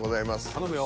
頼むよ。